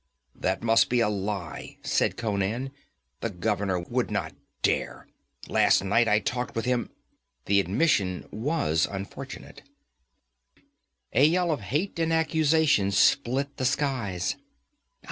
'That must be a lie,' said Conan. 'The governor would not dare. Last night I talked with him ' The admission was unfortunate. A yell of hate and accusation split the skies.